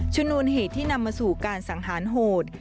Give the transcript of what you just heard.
ชนวนเหตุที่นำมาสู่การสังหารโหด